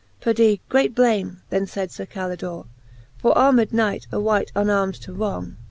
Perdie, great blame^, then faid Sir Calidore ^ For armed knight a wight unarm'd to wrong.